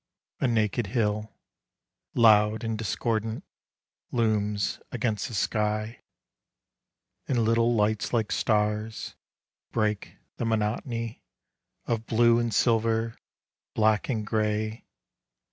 A naked hill, Loud and discordant, looms against the sky, And little lights like stars Break the monotony Of blue and silver, black and grey.